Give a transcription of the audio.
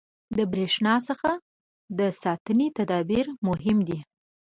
• د برېښنا څخه د ساتنې تدابیر مهم دي.